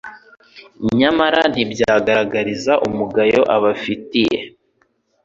Nyamara, ntiyabagaragariza umugayo abafitiye,